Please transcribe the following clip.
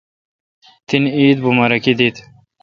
تن عید امبا۔ رکی دیت۔